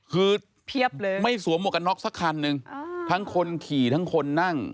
คือไม่สัวกมวกกับน๊อคสักคันนึงทั้งคนขี่ทั้งคนนั่ง